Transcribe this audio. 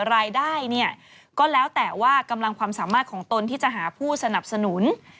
รายได้เนี่ยก็แล้วแต่ว่ากำลังความสามารถของตนที่จะหาผู้สนับสนุน